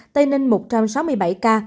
tây ninh một trăm sáu mươi bảy ca